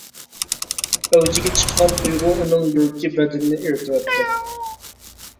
ئەۋجىگە چىققان تۇيغۇ ئۇنىڭ يۈرىكى بەدىنىنى ئېرىتىۋەتتى.